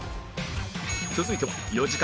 続いては４時間